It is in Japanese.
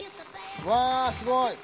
うわぁすごい！